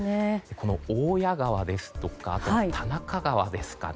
オオヤ川ですとか田中川ですかね。